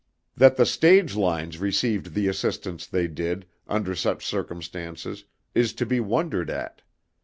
That the stage lines received the assistance they did, under such circumstances, is to be wondered at.